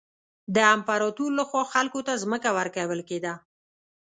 د امپراتور له خوا خلکو ته ځمکه ورکول کېده.